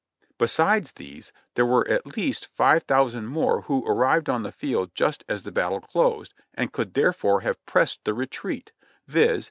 Besides these, there were at least five thousand more who ar rived on the field just as the battle closed, and could therefore have pressed the retreat, viz.